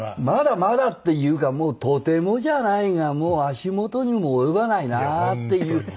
まだまだっていうかとてもじゃないがもう足元にも及ばないなっていう。